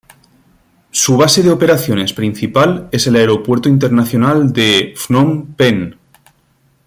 Su base de operaciones principal es el Aeropuerto Internacional de Phnom Penh.